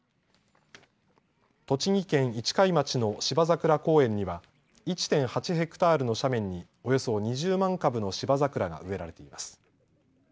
栃木県市貝町の芝ざくら公園には１．８ｈａの斜面におよそ２０万株のシバザクラが植えられています。